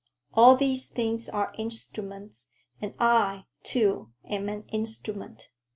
All these things are instruments; and I, too, am an instrument."